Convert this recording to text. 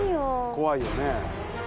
怖いよね。